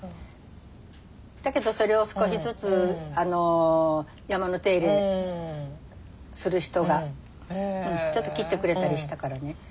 だけどそれを少しずつ山の手入れをする人がちょっと切ってくれたりしたからね。